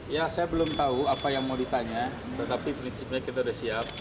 ya saya belum tahu apa yang mau ditanya tetapi prinsipnya kita sudah siap